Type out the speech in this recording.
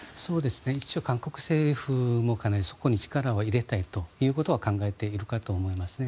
一応、韓国政府もかなりそこに力を入れたいということは考えているかと思いますね。